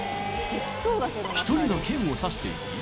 １人が剣を刺していき